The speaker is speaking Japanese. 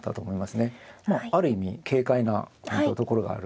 ある意味軽快なところがある